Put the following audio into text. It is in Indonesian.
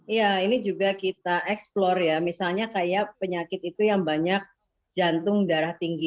iya ini juga kita eksplor ya misalnya kayak penyakit itu yang banyak jantung darah tinggi